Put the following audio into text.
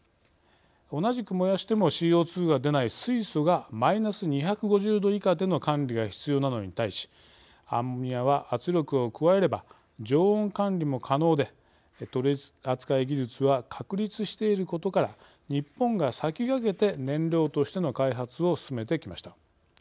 同じく燃やしてもＣＯ２が出ない水素がマイナス２５０度以下での管理が必要なのに対しアンモニアは圧力を加えれば常温管理も可能で取り扱い技術は確立していることから日本が先駆けて燃料としての開発を進めてきました。